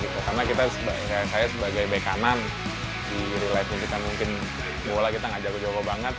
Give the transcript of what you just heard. karena saya sebagai baik kanan di real life nya kita mungkin bola kita nggak jago jago banget